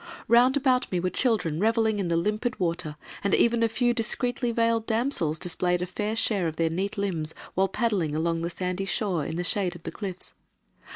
Round about me were children revelling in the limpid water, and even a few discreetly veiled damsels displayed a fair share of their neat limbs, while paddling along the sandy shore in the shade of the cliffs.